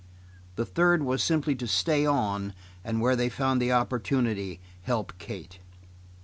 The third was simply to stay on and where they found the opportunity, help Kate.